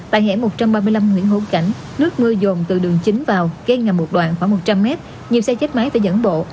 tại hẻ một trăm ba mươi năm nguyễn hữu cảnh nước mưa dồn từ đường chính vào gây ngập một đoạn khoảng một trăm linh m nhiều xe chết máy phải dẫn bộ